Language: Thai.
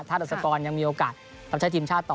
ถ้าดัศกรยังมีโอกาสรับใช้ทีมชาติต่อ